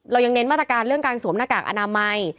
เรายังเน้นมาตรการเรื่องการสวมหน้ากากอนามัย